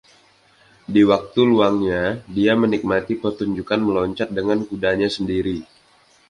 Di waktu luangnya dia menikmati pertunjukan meloncat dengan kudanya sendiri.